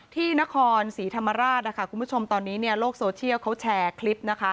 ที่นครศรีธรรมราชคุณผู้ชมตอนนี้โลกโซเชียลเขาแชร์คลิปนะคะ